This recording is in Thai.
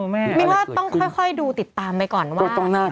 ไม่ว่าต้องค่อยดูติดตามไปก่อนว่าอย่างไร